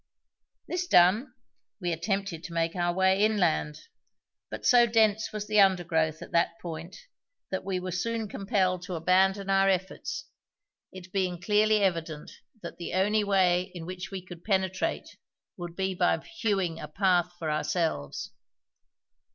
This done, we attempted to make our way inland, but so dense was the undergrowth at that point that we were soon compelled to abandon our efforts, it being clearly evident that the only way in which we could penetrate would be by hewing a path for ourselves.